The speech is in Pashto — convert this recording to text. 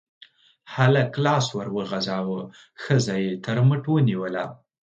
هلک لاس ور وغزاوه، ښځه يې تر مټ ونيوله.